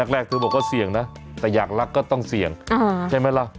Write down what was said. แรกเธอบอกว่าเสี่ยงนะแต่อยากรักก็ต้องเสี่ยงใช่ไหมล่ะ